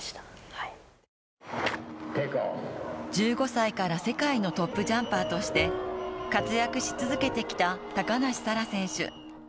１５歳から世界のトップジャンパーとして活躍し続けてきた高梨沙羅選手。